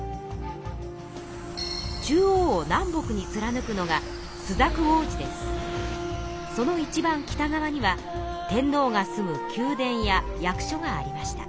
中央を南北につらぬくのがそのいちばん北側には天皇が住むきゅうでんや役所がありました。